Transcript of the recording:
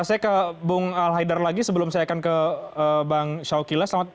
saya ke bung al haidar lagi sebelum saya akan ke bang syawkila selamat